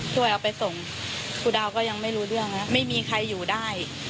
ช่วยเอาไปส่งครูดาวก็ยังไม่รู้เรื่องนะไม่มีใครอยู่ได้